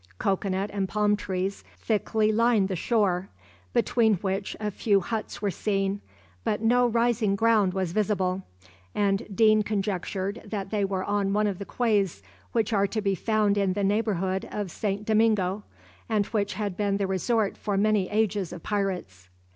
Cocoanut and palm trees thickly lined the shore, between which a few huts were seen, but no rising ground was visible, and Deane conjectured that they were on one of the quays which are to be found in the neighbourhood of Saint Domingo, and which had been the resort for many ages of pirates.